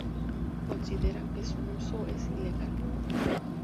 Consideran que su uso es "ilegal".